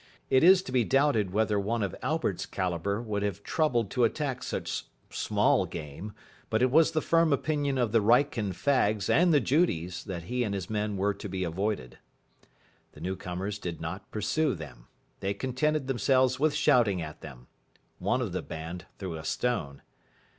It is to be doubted whether one of Albert's calibre would have troubled to attack such small game, but it was the firm opinion of the Wrykyn fags and the Judies that he and his men were to be avoided. The newcomers did not pursue them. They contented themselves with shouting at them. One of the band threw a stone.